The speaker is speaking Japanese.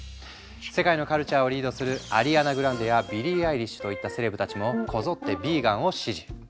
世界のカルチャーをリードするアリアナ・グランデやビリー・アイリッシュといったセレブたちもこぞってヴィーガンを支持。